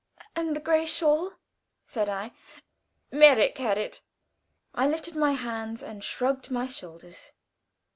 "And the gray shawl," said I. "Merrick had it." I lifted my hands and shrugged my shoulders.